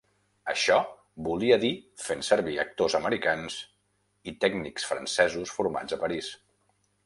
Això volia dir fent servir actors americans i tècnics francesos formats a Paris.